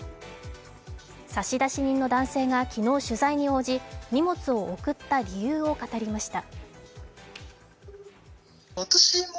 差出人の男性が昨日取材に応じ荷物を送った理由を語りました。